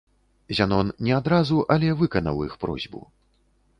Зянон не адразу, але выканаў іх просьбу.